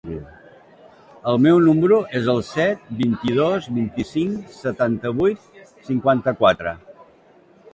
El meu número es el set, vint-i-dos, vint-i-cinc, setanta-vuit, cinquanta-quatre.